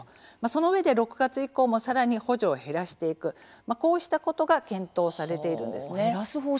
そのうえで６月以降もさらに補助を減らしていくこうしたことが検討されているんですね。